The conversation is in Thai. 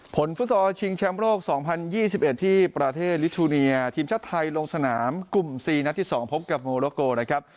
ผลฟุตสอบชิงแชมป์โลกสองพันยี่สิบเอ็ดที่ประเทศทีมชาติไทยลงสนามกลุ่มสี่นัดที่สองพบกับโมโลโกนะครับ